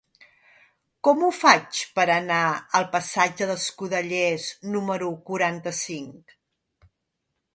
Com ho faig per anar al passatge d'Escudellers número quaranta-cinc?